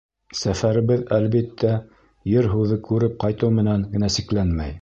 — Сәфәребеҙ, әлбиттә, ер-һыуҙы күреп ҡайтыу менән генә сикләнмәй.